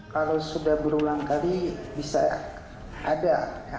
kalau sudah berulang kali bisa ada